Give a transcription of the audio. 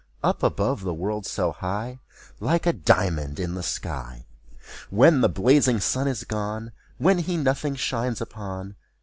Up above the world, so high, Like a diamond in the sky. When the blazing sun is gone. When he nothing shines upon.